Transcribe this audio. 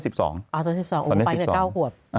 ตอนนี้๑๒อู๋ไปให้๙ครวบ